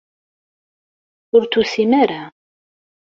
Ur tusim ara.